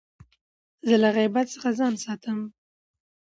زه له غیبت څخه ځان ساتم.